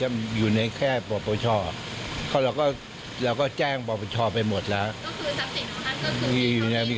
ไม่มีอีกในสามประเทศเลยไม่มีที่อีก